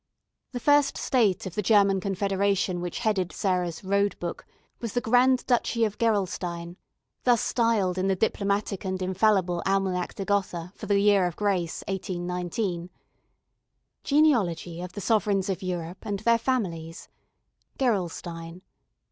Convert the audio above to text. The first state of the German Confederation which headed Sarah's "road book" was the Grand Duchy of Gerolstein, thus styled in the diplomatic and infallible Almanach de Gotha for the year of grace 1819: "Genealogy of the Sovereigns of Europe and their Families. "GEROLSTEIN.